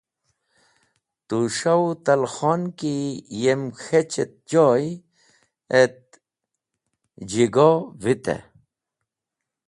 Tũs̃ha u talkhon ki yem k̃hech et choy et z̃hi go vite